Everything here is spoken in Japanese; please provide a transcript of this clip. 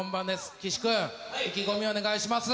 岸君、意気込みお願いします。